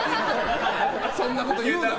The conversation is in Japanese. そんなことを言うな。